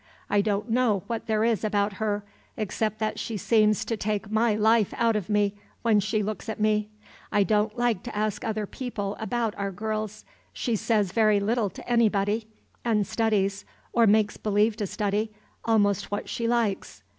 I don't know what there is about her, except that she seems to take my life out of me when she looks at me. I don't like to ask other people about our girls. She says very little to anybody, and studies, or makes believe to study, almost what she likes.